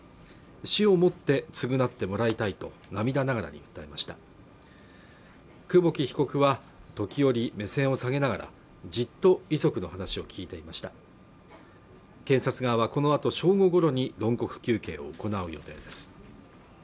死をもって償ってもらいたいと涙ながらに訴えました久保木被告は時折目線を下げながらじっと遺族の話を聞いていました検察側はこのあと正午ごろに論告求刑を行う予定です